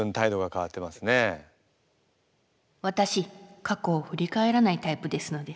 わたし過去を振り返らないタイプですので。